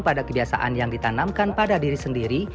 pada kebiasaan yang ditanamkan pada diri sendiri